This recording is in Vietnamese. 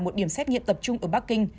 một điểm xét nghiệm tập trung ở bắc kinh